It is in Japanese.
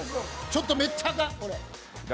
ちょっと、めっちゃあかん！